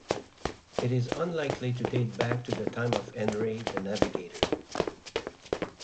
It is unlikely to date back to the time of Henry the Navigator.